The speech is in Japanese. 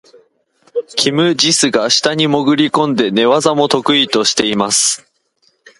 キム・ジスが下に潜り込んで、寝技も得意としています。